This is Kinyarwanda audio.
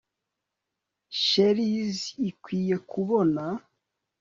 Cheries ikwiye kubona